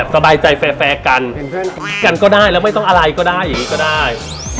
สบไปอย่างนี้ก็ได้